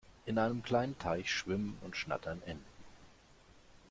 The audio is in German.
In einem kleinen Teich schwimmen und schnattern Enten.